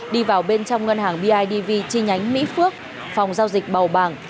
đi vào bên trong ngân hàng bidv chi nhánh mỹ phước phòng giao dịch bầu bàng